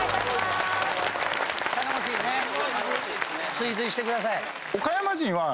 追随してください。